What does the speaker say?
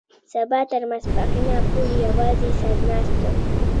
سبا تر ماسپښينه پورې يوازې سر ناست وم.